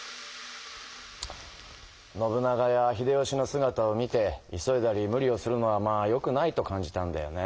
信長や秀吉のすがたを見て急いだり無理をするのはまあよくないと感じたんだよね。